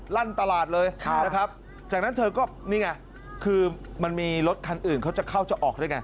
ลั่นตลาดเลยนะครับจากนั้นเธอก็นี่ไงคือมันมีรถคันอื่นเขาจะเข้าจะออกด้วยไง